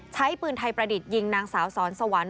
ใช้ปืนไทยประดิษฐ์ยิงนางสาวสอนสวรรค์